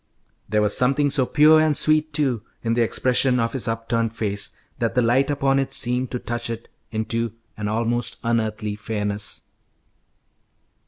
There was something so pure and sweet, too, in the expression of his upturned face that the light upon it seemed to touch it into an almost unearthly fairness.